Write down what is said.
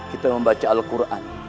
kita membaca al quran